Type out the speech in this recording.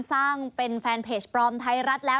สร้างเป็นแฟนเพจปลอมไทยรัฐแล้ว